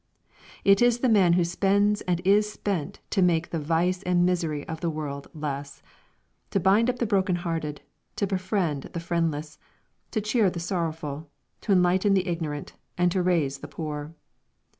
It is the man who spends and is spent to make the vice and misery of the world less, to bind up the broken hearted, to befriend the friendless, to cheer the sorrowful, to enlighten the ignorant, and to raise the poor.